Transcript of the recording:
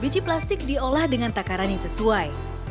biji plastik diolah dengan takaran yang sesuai